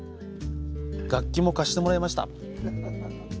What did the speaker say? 楽器も貸してもらいました。